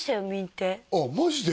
亭あっマジで？